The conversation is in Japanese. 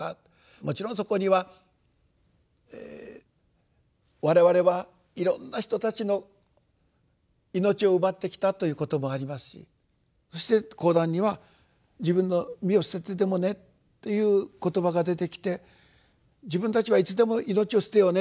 もちろんそこには「我々はいろんな人たちの命を奪ってきた」という言葉ありますしそして後段には「自分の身を捨ててでもね」という言葉が出てきて「自分たちはいつでも命を捨てようね。